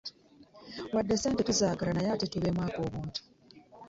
Wadde ssente tuzaagala naye ate tubeemu ak'obuntu.